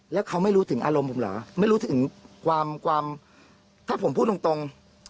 แล้วเขาไม่รู้ถึงอารมณ์ผมเหรอไม่รู้ถึงความความถ้าผมพูดตรง